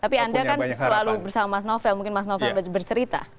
tapi anda kan selalu bersama mas novel mungkin mas novel bercerita